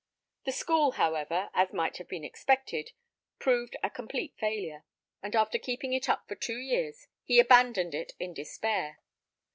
The school, however, as might have been expected, proved a complete failure; and after keeping it up for two years, he abandoned it in despair.